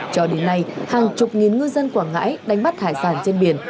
cho đến nay hàng chục nghìn ngư dân quảng ngãi đánh bắt hải sản trên biển